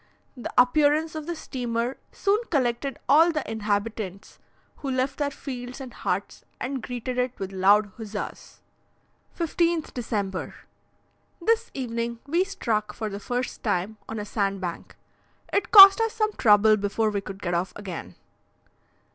The appearance of the steamer soon collected all the inhabitants, who left their fields and huts and greeted it with loud huzzas. 15th December. This evening we struck, for the first time, on a sandbank. It cost us some trouble before we could get off again.